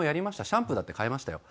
シャンプーだって変えましたよ。